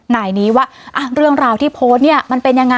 นายนี้ว่าเรื่องราวที่โพสต์เนี่ยมันเป็นยังไง